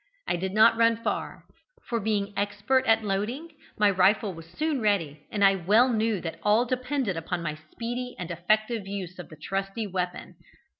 I did not run far, for being expert at loading, my rifle was soon ready, and I well knew that all depended upon my speedy and effective use of the trusty weapon.